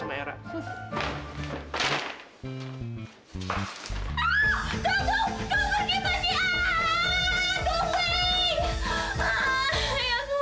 jangan pergi dari sini